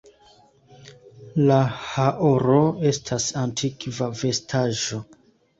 La haoro estas antikva vestaĵo.